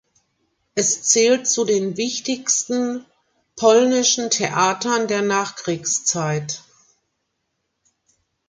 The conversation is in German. Es zählt zu den wichtigsten polnischen Theatern der Nachkriegszeit.